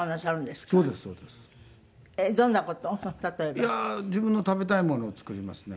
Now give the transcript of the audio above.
いや自分の食べたいものを作りますね。